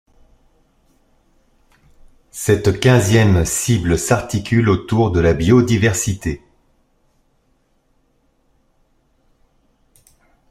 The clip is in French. Cette quinzième cible s'articule autour de la biodiversité.